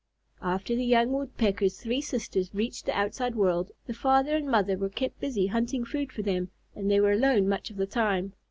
After the young Woodpecker's three sisters reached the outside world, the father and mother were kept busy hunting food for them, and they were alone much of the time.